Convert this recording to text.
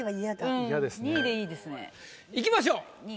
いきましょう。